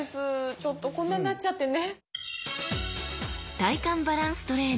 ちょっとこんなになっちゃってね。